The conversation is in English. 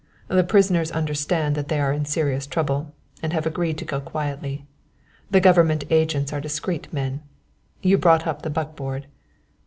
The prisoners understand that they are in serious trouble, and have agreed to go quietly. The government agents are discreet men. You brought up the buckboard?"